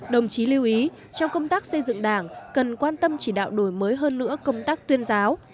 đồng chí lưu ý trong công tác xây dựng đảng cần quan tâm chỉ đạo đổi mới hơn nữa công tác tuyên giáo